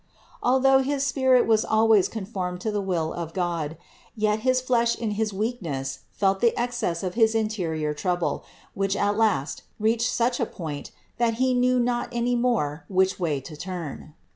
Although his spirit was always conformed to the will of God, yet his flesh in his weak ness felt the excess of his interior trouble, which at last reached such a point that he knew not any more which way to turn.